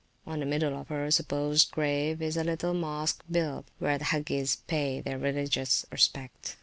On the middle of her supposed grave is a little Mosque built, where the Hagges pay their religious respect.